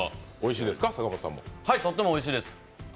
とってもおいしいです。